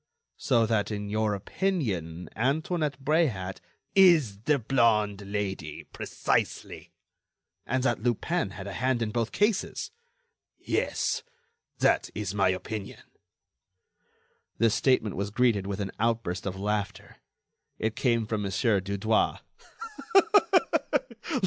"So that, in your opinion, Antoinette Bréhat—" "Is the blonde Lady—precisely." "And that Lupin had a hand in both cases?" "Yes, that is my opinion." This statement was greeted with an outburst of laughter. It came from Mon. Dudouis.